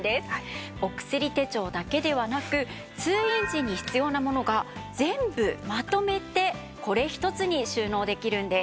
お薬手帳だけではなく通院時に必要なものが全部まとめてこれ１つに収納できるんです。